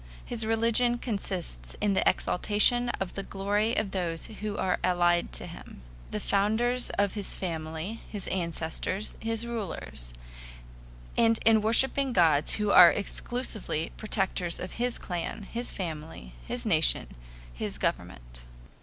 His religion consists in the exaltation of the glory of those who are allied to him the founders of his family, his ancestors, his rulers and in worshiping gods who are exclusively protectors of his clan, his family, his nation, his government [see Footnote].